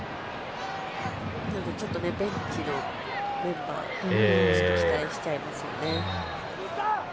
ちょっとベンチのメンバーに期待しちゃいますね。